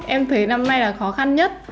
em thấy năm nay là khó khăn nhất